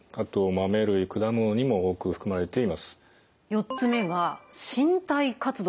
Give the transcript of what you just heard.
４つ目が「身体活動」。